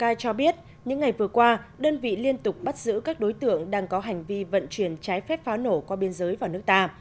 lào cai cho biết những ngày vừa qua đơn vị liên tục bắt giữ các đối tượng đang có hành vi vận chuyển trái phép pháo nổ qua biên giới vào nước ta